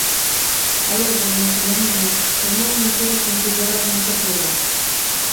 Alégrame, polo menos, que o meu non sexa considerado un caso grave!